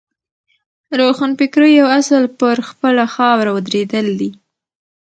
روښانفکرۍ یو اصل پر خپله خاوره ودرېدل دي.